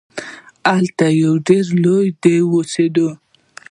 هلته یو ډیر لوی دیو اوسیده.